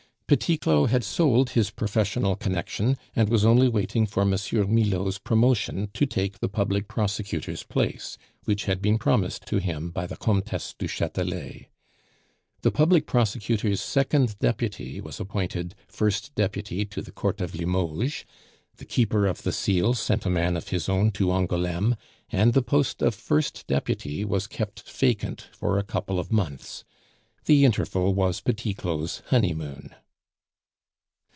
Petit Claud had sold his professional connection, and was only waiting for M. Milaud's promotion to take the public prosecutor's place, which had been promised to him by the Comtesse du Chatelet. The public prosecutor's second deputy was appointed first deputy to the Court of Limoges, the Keeper of the Seals sent a man of his own to Angouleme, and the post of first deputy was kept vacant for a couple of months. The interval was Petit Claud's honeymoon.